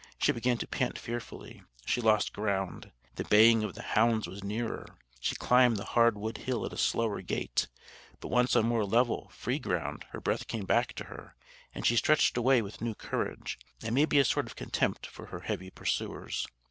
She began to pant fearfully; she lost ground. The baying of the hounds was nearer. She climbed the hard wood hill at a slower gait: but, once on more level, free ground, her breath came back to her, and she stretched away with new courage, and maybe a sort of contempt for her heavy pursuers.